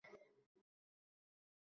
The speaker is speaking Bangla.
মিস হুবারম্যানের অনেকক্ষণ হল দেখা নেই।